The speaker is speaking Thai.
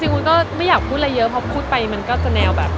วุ้นก็ไม่อยากพูดอะไรเยอะเพราะพูดไปมันก็จะแนวแบบ